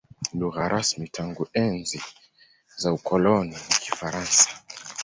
Lugha rasmi tangu enzi za ukoloni ni Kifaransa.